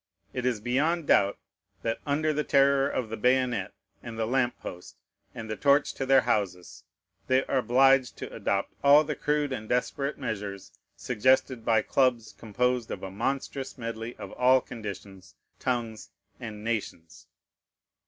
It is beyond doubt, that, under the terror of the bayonet, and the lamp post, and the torch to their houses, they are obliged to adopt all the crude and desperate measures suggested by clubs composed of a monstrous medley of all conditions, tongues, and nations.